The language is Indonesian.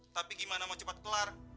tapi gimana mau cepat kelar